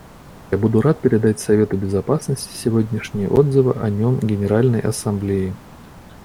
Я буду рад передать Совету Безопасности сегодняшние отзывы о нем Генеральной Ассамблеи.